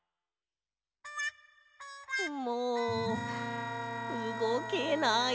もううごけない。